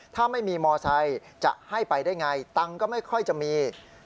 ถ้าไม่มีมอไซค์จะให้ไปได้ไงตังค์ก็ไม่ค่อยจะมี